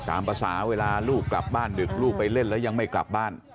ตามภาษาเวลาลูกกลับบ้านดึกลูกไปเล่นแล้วยังไม่กลับบ้าน